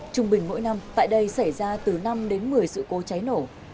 trung bình mỗi năm tại đây xảy ra từ năm đến một mươi sự cố cháy nổ